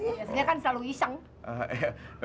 ibu segalanya kan selalu iseng